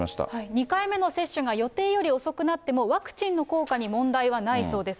２回目の接種が予定より遅くなっても、ワクチンの効果に問題はないそうです。